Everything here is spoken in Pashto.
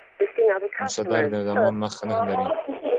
مصدر د زمان نخښه نه لري.